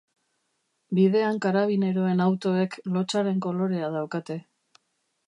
Bidean karabineroen autoek lotsaren kolorea daukate.